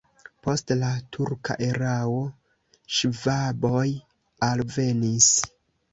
Post la turka erao ŝvaboj alvenis.